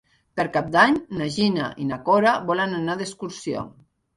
Per Cap d'Any na Gina i na Cora volen anar d'excursió.